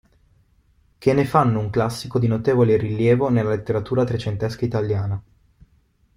Che ne fanno un classico di notevole rilievo nella letteratura trecentesca italiana.